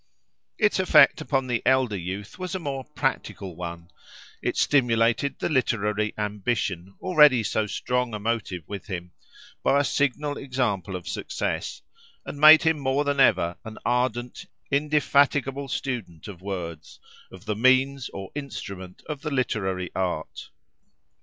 Its effect upon the elder youth was a more practical one: it stimulated the literary ambition, already so strong a motive with him, by a signal example of success, and made him more than ever an ardent, indefatigable student of words, of the means or instrument of the literary art.